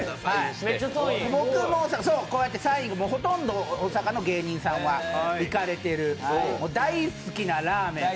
僕もこうやって、ほとんど大阪の芸人さんは行かれてる、大好きなラーメン。